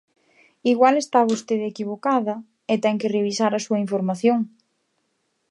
Igual está vostede equivocada e ten que revisar a súa información.